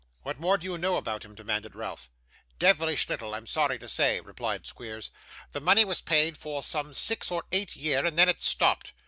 'What more do you know about him?' demanded Ralph. 'Devilish little, I'm sorry to say,' replied Squeers. 'The money was paid for some six or eight year, and then it stopped.